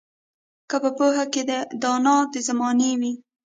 که په پوهه کې دانا د زمانې وي